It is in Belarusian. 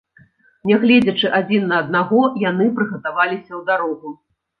Не гледзячы адзін на аднаго, яны прыгатаваліся ў дарогу.